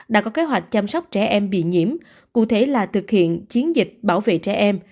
đã có kế hoạch chăm sóc trẻ em bị nhiễm cụ thể là thực hiện chiến dịch bảo vệ trẻ em